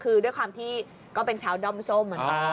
คือด้วยความที่ก็เป็นชาวดอมส้มเหมือนกัน